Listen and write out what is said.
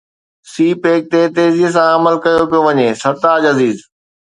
سي pack تي تيزي سان عمل ڪيو پيو وڃي: سرتاج عزيز